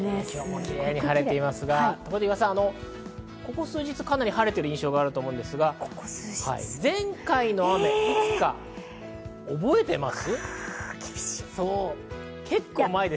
キレイに晴れてますが、ここ数日、かなり晴れている印象があると思いますが、前回の雨がいつか覚えてます？